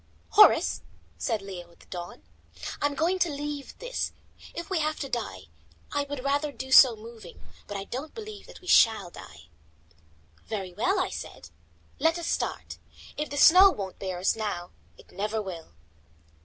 "Horace," said Leo at the dawn, "I am going to leave this. If we have to die, I would rather do so moving; but I don't believe that we shall die." "Very well," I said, "let us start. If the snow won't bear us now, it never will."